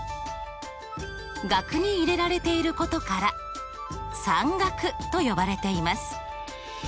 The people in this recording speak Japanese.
額に入れられていることから算額と呼ばれています。